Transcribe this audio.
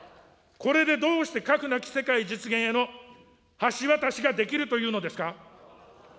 これでどうして核なき世界実現への橋渡しができるというのですか。